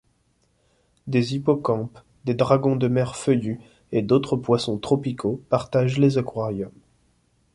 Des hippocampes, des dragons de mer feuillus & d’autres poissons tropicaux partagent les aquariums.